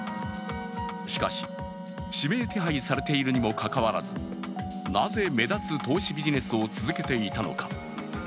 しかし指名手配されているにもかかわらずなぜ目立つ投資ビジネスを続けていたのか。